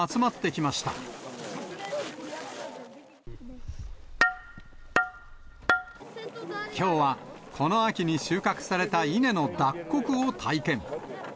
きょうは、この秋に収穫された稲の脱穀を体験。